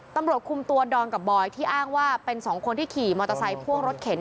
ตำรวจคุมตัวดอนกับบอยที่อ้างว่าเป็นสองคนที่ขี่มอเตอร์ไซค์พ่วงรถเข็น